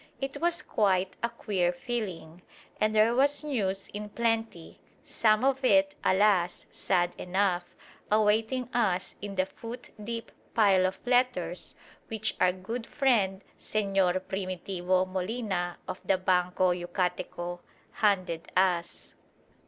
It was quite a queer feeling, and there was news in plenty some of it, alas! sad enough awaiting us in the foot deep pile of letters which our good friend Señor Primitivo Molina of the Banco Yucateco handed us.